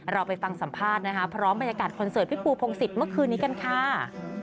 เราไปฟังสัมภาษณ์นะคะพร้อมบรรยากาศคอนเสิร์ตพี่ปูพงศิษย์เมื่อคืนนี้กันค่ะ